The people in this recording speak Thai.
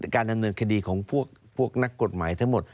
การดำเนินคดีของพวกนักกฎหมายทั้งหมด